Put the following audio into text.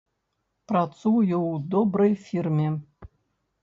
Працую ў добрай фірме.